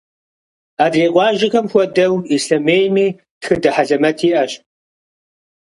Адрей къуажэхэм хуэдэу, Ислъэмейми тхыдэ хьэлэмэт иӏэщ.